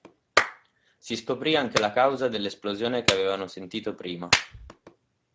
Si scoprì anche la causa dell'esplosione che avevano sentito prima.